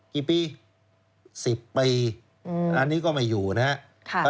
กี่ปี๑๐ปีอันนี้ก็ไม่อยู่นะครับ